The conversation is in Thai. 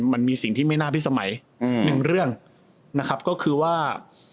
มันมีสิ่งที่ไม่น่าพิสมัยหนึ่งเรื่องนะครับก็คือว่า